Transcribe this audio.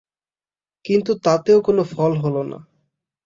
কিন্তু তাতেও কোন ফল হল না।